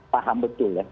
paham betul ya